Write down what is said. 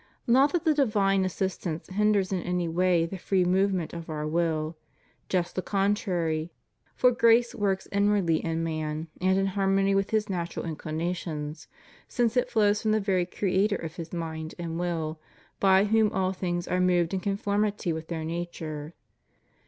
Not that the divine assistance hinders in any way the free movement of our will; just the contrary, for grace works HUMAN LIBERTY. \A1 inwardly in man and in harmony with his natural inclina tions, since it flows from the very Creator of his mind and will, by whom all things are moved in conformity with their nature.